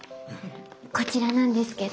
こちらなんですけど。